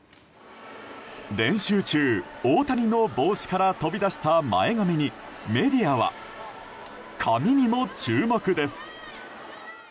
練習中、大谷の帽子から飛び出した前髪にメディアは髪にも注目です。